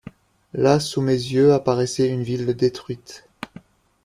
Là, sous mes yeux, apparaissait une ville détruite.